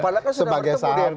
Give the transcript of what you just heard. sebagai sahabat ya